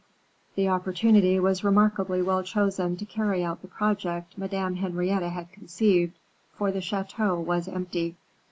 The opportunity was remarkably well chosen to carry out the project Madame Henrietta had conceived, for the chateau was empty.